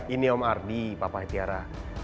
ini om ardi papa tiara